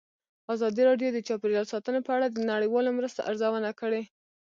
ازادي راډیو د چاپیریال ساتنه په اړه د نړیوالو مرستو ارزونه کړې.